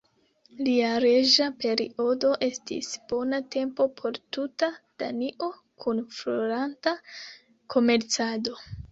Lia reĝa periodo estis bona tempo por tuta Danio kun floranta komercado.